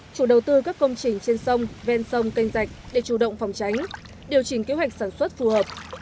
chủ đầu tư các công trình trên sông ven sông canh rạch để chủ động phòng tránh điều chỉnh kế hoạch sản xuất phù hợp